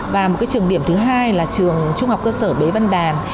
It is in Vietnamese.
và một trường điểm thứ hai là trường trung học cơ sở bế văn đàn